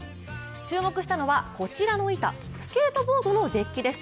注目したのは、こちらの板スケートボードのデッキです。